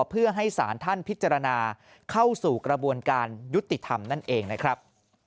เพื่อให้สารท่านพิจารณาเข้าสู่กระบวนการยุติธรรมนั่นเองนะครับ